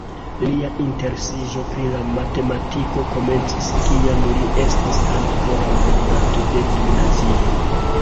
Lia interesiĝo pri la matematiko komencis kiam li estis ankoraŭ lernanto de gimnazio.